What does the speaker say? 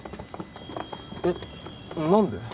えっ何で？